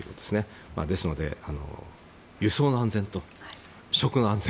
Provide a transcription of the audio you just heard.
ですので、輸送の安全と食の安全